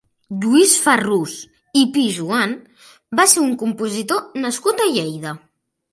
Lluís Farrús i Pijoan va ser un compositor nascut a Lleida.